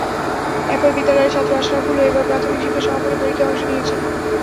একই বিদ্যালয়ের ছাত্র আশরাফুলও এবার প্রাথমিক শিক্ষা সমাপনী পরীক্ষায় অংশ নিয়েছে।